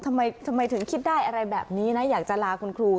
ทำไมถึงคิดได้อะไรแบบนี้นะอยากจะลาคุณครู